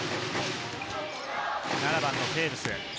７番のテーブス。